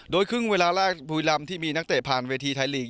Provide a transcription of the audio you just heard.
โดยครึ่งเวลาแรกบุรีรำที่มีนักเตะผ่านเวทีไทยลีก